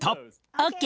ＯＫ！